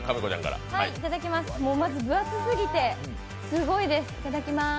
まず、分厚すぎてすごいです、いただきます。